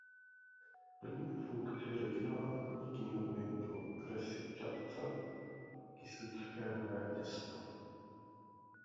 Plní i funkci regionální knihovny pro okresy Čadca a Kysucké Nové Mesto.